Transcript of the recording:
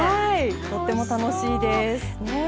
とっても楽しいです。